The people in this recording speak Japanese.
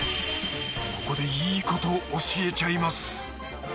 ここでいいこと教えちゃいます。